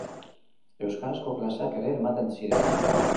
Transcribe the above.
Euskarazko klaseak ere ematen ziren.